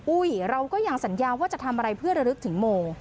เราก็ยังสัญญาว่าจะทำอะไรเพื่อระลึกถึงโม